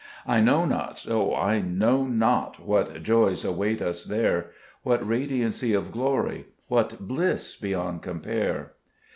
I know not, O I know not, What joys await us there ; What radiancy of glory, What bliss beyond compare.